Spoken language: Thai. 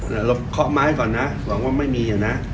เราขอบมาให้ก่อนนะหวังว่าไม่มีนะ